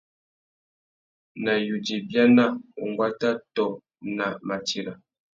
Nà yudza ibiana, unguata tô nà matira.